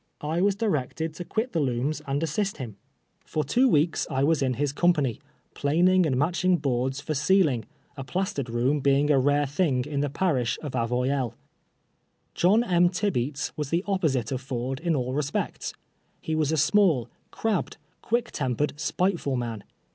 I was directed to (juit the looms and assist him. For two weeks I was in his com])any, planing and match ing boards for ceiling, a plastered room being a rare thing in the parish of Avoyelles. John M. Tibeats was the opposite of Ford in all respects. lie was a small, crabbed, cpiick tempered, spiteful man.